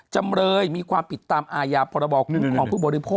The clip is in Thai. จำเลยมีความผิดตามอาญาพรบคุ้มครองผู้บริโภค